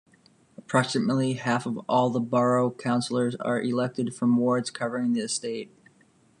Approximately half of all the borough councillors are elected from wards covering the estate.